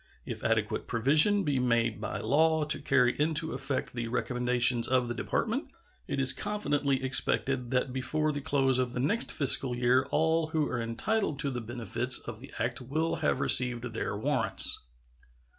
If adequate provision be made by law to carry into effect the recommendations of the Department, it is confidently expected that before the close of the next fiscal year all who are entitled to the benefits of the act will have received their warrants.